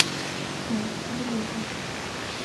হ্যাঁ, আমি লোভী।